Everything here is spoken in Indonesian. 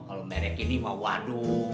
kalau merek ini waduh